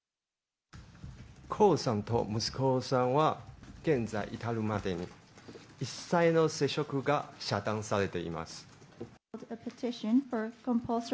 江さんと息子さんは、現在に至るまでに、一切の接触が遮断されています。